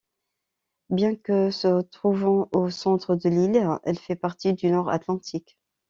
Bien que se trouvant au centre de l'île, elle fait partie du Nord-Atlantique.